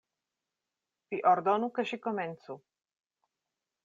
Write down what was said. Vi ordonu ke ŝi komencu.